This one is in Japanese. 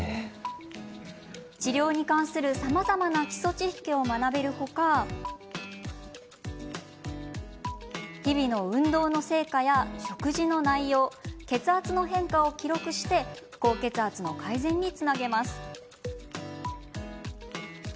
治療に関するさまざまな基礎知識を学べる他日々の運動の成果や食事の内容血圧の変化を記録して高血圧の改善につなげます。